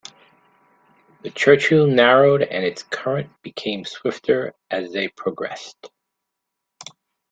The Churchill narrowed and its current became swifter as they progressed.